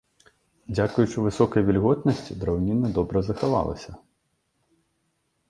Дзякуючы высокай вільготнасці драўніна добра захавалася.